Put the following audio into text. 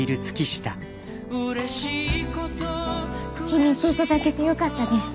気に入っていただけてよかったです。